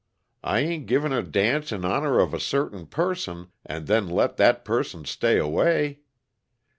I ain't giving a dance in honor of a certain person, and then let that person stay away.